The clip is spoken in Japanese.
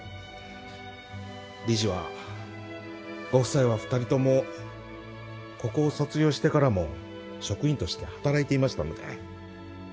理事はご夫妻は２人ともここを卒業してからも職員として働いていましたので。